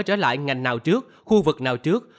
trở lại ngành nào trước khu vực nào trước